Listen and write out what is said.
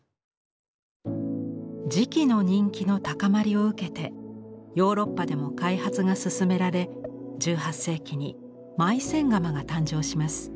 磁器の人気の高まりを受けてヨーロッパでも開発が進められ１８世紀にマイセン窯が誕生します。